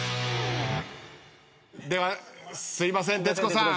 ではすいません徹子さん。